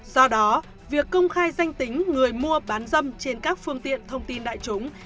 do đó việc công khai danh tính người mua bán dâm trên các phương tiện thông tin đại chúng